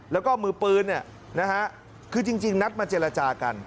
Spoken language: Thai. แล้วก็มือปืนเนี้ยนะคะคือจริงนัดมาเจลจากัน